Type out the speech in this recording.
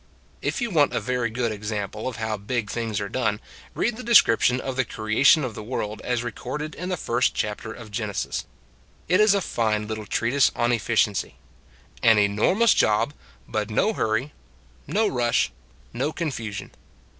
If you want a very good example of how big things are done, read the descrip tion of the creation of the world as re corded in the first chapter of Genesis. It is a fine little treatise on efficiency. An enormous job, but no hurry, no rush, no confusion.